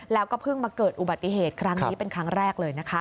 แล้วก็เพิ่งมาเกิดอุบัติเหตุครั้งนี้เป็นครั้งแรกเลยนะคะ